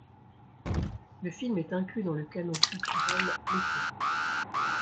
Le film est inclus dans le Canon culturel letton.